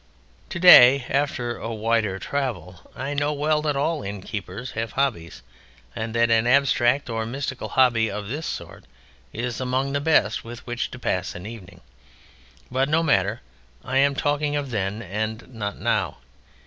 To day, after a wider travel, I know well that all innkeepers have hobbies, and that an abstract or mystical hobby of this sort is amongst the best with which to pass an evening. But no matter, I am talking of then and not now.